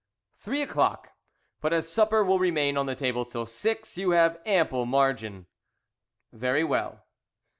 "Three o'clock; but as supper will remain on table till six you have ample margin." "Very well."